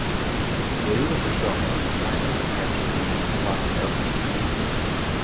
Miljoenen personen lijden aan ernstige, vaak erfelijke ziekten.